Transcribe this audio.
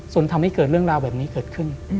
ทำให้เกิดเรื่องราวแบบนี้เกิดขึ้น